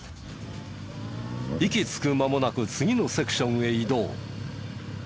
息つく間もなく次のセクションへ移動。